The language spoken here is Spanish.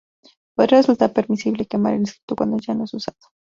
Podría resultar permisible quemar el escrito cuando ya no es usado.